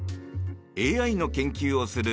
ＡＩの研究をする